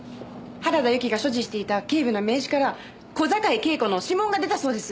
原田由紀が所持していた警部の名刺から小坂井恵子の指紋が出たそうです。